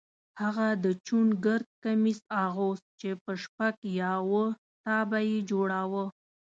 هغه د چوڼ ګرد کمیس اغوست چې په شپږ یا اووه تابه یې جوړاوه.